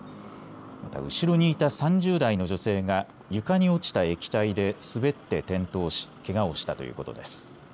また後ろにいた３０代の女性が床に落ちた液体で滑って転倒しけがをしたということです。